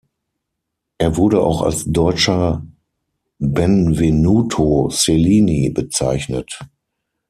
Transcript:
Er wurde auch als deutscher Benvenuto Cellini bezeichnet.